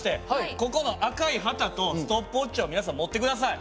ここの赤い旗とストップウォッチを皆さん持って下さい。